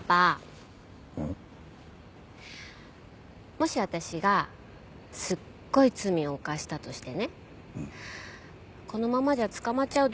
もし私がすっごい罪を犯したとしてね「このままじゃ捕まっちゃう。